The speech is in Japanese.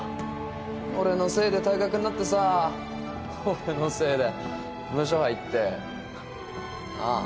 俺のせいで退学になってさ俺のせいでムショ入ってなあ。